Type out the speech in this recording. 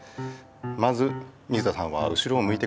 まず水田さんは後ろをむいてください。